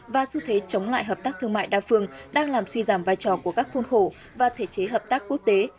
và xu thế chống lại hợp tác thương mại đa phương đang làm suy giảm vai trò của các khuôn khổ và thể chế hợp tác quốc tế